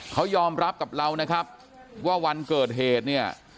เขายอมรับกับเรานะครับว่าวันเกิดเหตุเนี่ย